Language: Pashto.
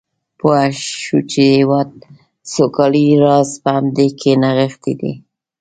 پوه شو چې د هېواد سوکالۍ راز په همدې کې نغښتی دی.